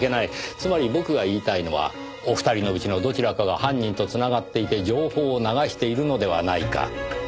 つまり僕が言いたいのはお二人のうちのどちらかが犯人と繋がっていて情報を流しているのではないか。